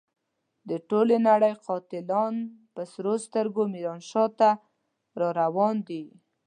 د ټولې نړۍ قاتلان په سرو سترګو ميرانشاه ته را روان دي.